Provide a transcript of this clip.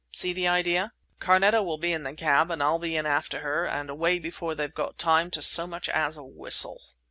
See the idea? Carneta will be in a cab and I'll be in after her and away before they've got time to so much as whistle."